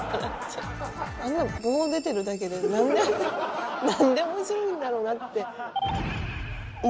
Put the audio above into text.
あんなん棒が出てるだけで、なんでおもしろいんだろうなって。